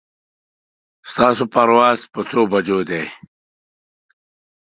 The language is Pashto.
ستاسو پرواز په څو بجو ده